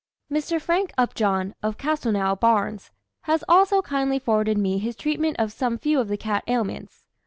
Mr. Frank Upjohn, of Castelnau, Barnes, has also kindly forwarded me his treatment of some few of the cat ailments.